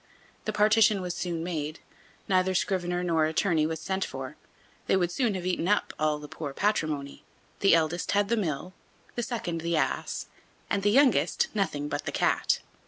The partition was soon made. Neither scrivener nor attorney was sent for. They would soon have eaten up all the poor patrimony. The eldest had the mill, the second the ass, and the youngest nothing but the cat.